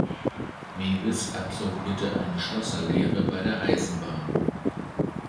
Mewis absolvierte eine Schlosserlehre bei der Eisenbahn.